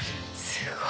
すごい。